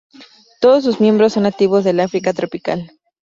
Todos sus miembros son nativos del África tropical.